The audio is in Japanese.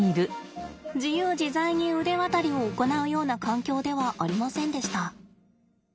自由自在に腕渡りを行うような環境ではありませんでした。